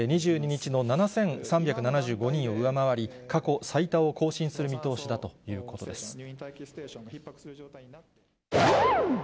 ２２日の７３７５人を上回り、過去最多を更新する見通しだということです。